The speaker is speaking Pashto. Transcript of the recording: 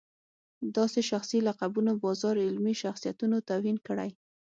داسې شخصي لقبونو بازار علمي شخصیتونو توهین کړی.